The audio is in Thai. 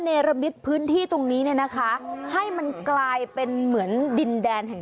เนรมิตพื้นที่ตรงนี้เนี่ยนะคะให้มันกลายเป็นเหมือนดินแดนแห่ง